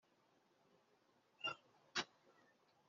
Dariyo m na Aritazerusi n umwami w u Buperesi Iyo nzu